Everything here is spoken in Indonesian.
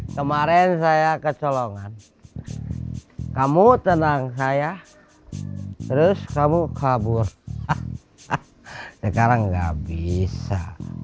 kemarin saya kecolongan kamu tenang saya terus kamu kabur sekarang gak bisa